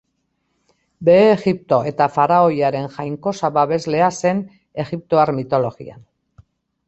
Behe Egipto eta faraoiaren jainkosa babeslea zen egiptoar mitologian.